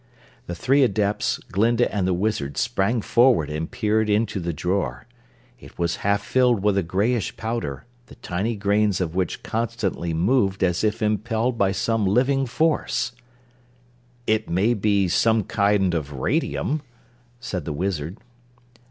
The three Adepts, Glinda and the Wizard sprang forward and peered into the drawer. It was half filled with a grayish powder, the tiny grains of which constantly moved as if impelled by some living force. "It may be some kind of radium," said the Wizard.